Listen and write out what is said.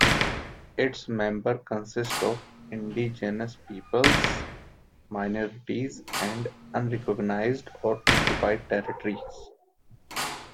Its members consist of indigenous peoples, minorities, and unrecognised or occupied territories.